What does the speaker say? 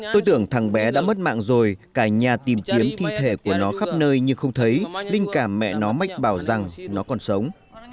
tôi tưởng rằng bé đã mất mạng rồi cả nhà tìm kiếm thi thể của nó khắp nơi nhưng không thấy linh cảm mẹ nó mách bảo rằng nó còn sống